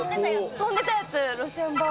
飛んでたやつ、ロシアンバー。